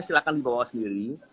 silahkan bawa sendiri